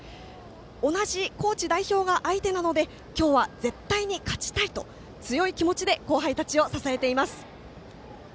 同じ高知代表が相手なので今日は絶対に勝ちたいと強い気持ちで後輩たちを支えています。